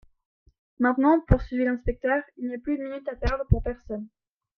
Maintenant, poursuivit l'inspecteur, il n'y a plus une minute à perdre pour personne.